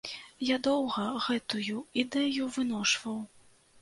Я доўга гэтую ідэю выношваў.